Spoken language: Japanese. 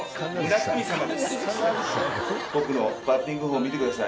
僕のバッティングフォーム見てください。